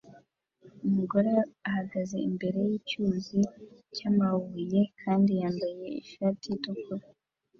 Umugore ahagaze imbere yicyuzi cyamabuye kandi yambaye ishati itukura